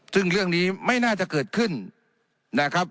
ซึ่งเรื่องนี้ไม่น่าจะเกิดขึ้นนะครับ